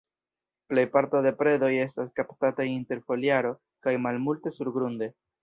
Plejparto de predoj estas kaptataj inter foliaro, kaj malmulte surgrunde.